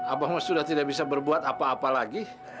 abah mau sudah tidak bisa berbuat apa apa lagi